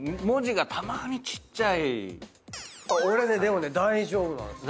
俺ねでもね大丈夫なんですよ。